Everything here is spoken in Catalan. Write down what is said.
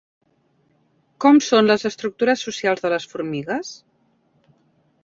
Com són les estructures socials de les formigues?